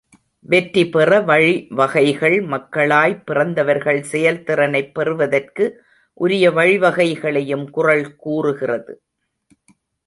வெற்றிபெற வழி வகைகள் மக்களாய் பிறந்தவர்கள் செயல்திறனைப் பெறுவதற்கு உரிய வழிவகைகளையும் குறள் கூறுகிறது.